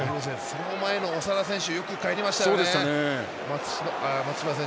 その前の長田選手よくかえりましたよね。